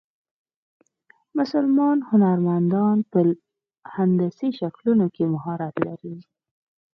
مسلمان هنرمندان په هندسي شکلونو کې مهارت لري.